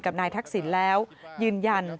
กับนายทักศิลป์แล้วยืนยัน